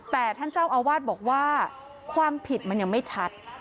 แต่ท่านเจ้าอาวาสบอกว่าความผิดมันยังไม่ชัด